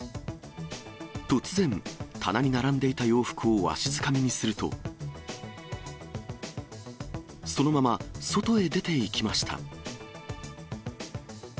突然、棚に並んでいた洋服をわしづかみにすると、そのまま、外へ出ていきました。